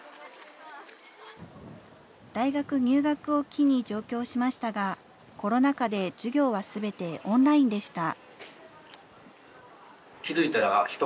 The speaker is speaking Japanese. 大学入学を機に上京しましたが、コロナ禍で授業はすべてオンラインでした。